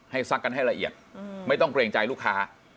ซักกันให้ละเอียดไม่ต้องเกรงใจลูกค้า